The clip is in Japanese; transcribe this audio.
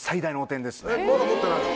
まだ持ってないの？